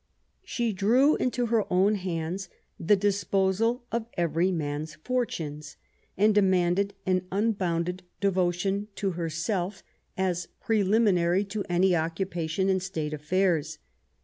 She drew into her own hands the disposal of every man's fortunes, and demanded an unbounded devotion to herself, as preliminary to any occupation in State affairs.